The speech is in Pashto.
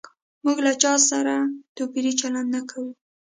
موږ له هيچا سره توپيري چلند نه کوو